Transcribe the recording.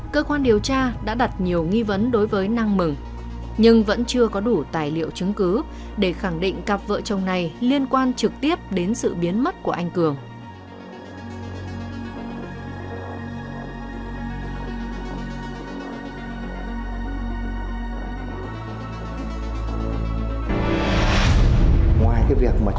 cơ quan điều tra công an nhận thấy có nhiều dấu hiệu liên quan đến một vụ án hình sự